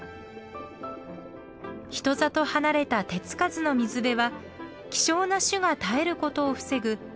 人里離れた手付かずの水辺は希少な種が絶えることを防ぐ